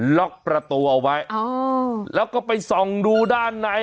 ล็อกประตูเอาไว้แล้วก็ไปส่องดูด้านใน